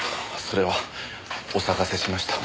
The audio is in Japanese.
それはお騒がせしました。